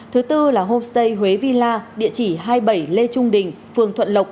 thứ tư là homestay huế villa địa chỉ hai mươi bảy lê trung đình phường thuận lộc